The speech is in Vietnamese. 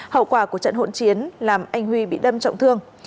hậu quả của trận hỗn chiến làm anh huy bị đâm trọng thương